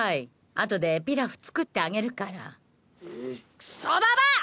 あとでピラフ作ってあげるからむっクソババア！